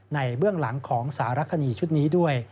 เบื้องหลังของสารคดีชุดนี้ด้วย